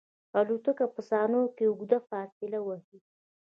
الوتکه په ثانیو کې اوږده فاصله وهي.